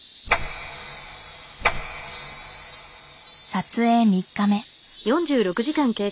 撮影３日目。